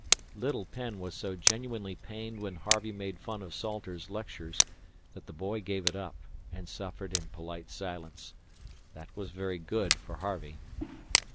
Little Penn was so genuinely pained when Harvey made fun of Salters's lectures that the boy gave it up, and suffered in polite silence. That was very good for Harvey.